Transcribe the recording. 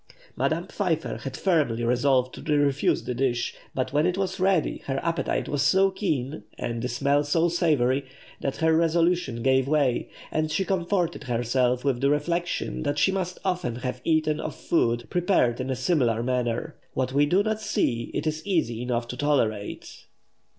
Madame Pfeiffer had firmly resolved to refuse the dish, but when it was ready her appetite was so keen, and the smell so savoury, that her resolution gave way, and she comforted herself with the reflection that she must often have eaten of food prepared in a similar manner. What we do not see, it is easy enough to tolerate.